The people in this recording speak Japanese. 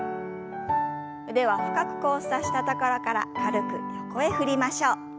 腕は深く交差したところから軽く横へ振りましょう。